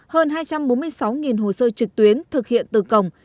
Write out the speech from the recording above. hơn hai trăm bốn mươi sáu hồ sơ trực tuyến thực hiện từ cổng